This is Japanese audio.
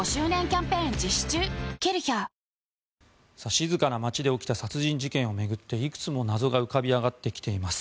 静かな町で起きた殺人事件を巡っていくつも謎が浮かび上がってきています。